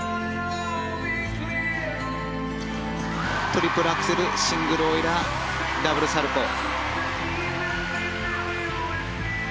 トリプルアクセルシングルオイラーダブルサルコウ。